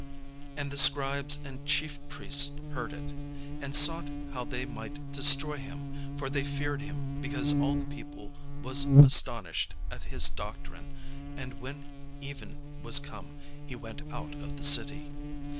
And the scribes and chief priests heard it, and sought how they might destroy him: for they feared him because all the people was astonished at his doctrine. And when even was come, he went out of the city.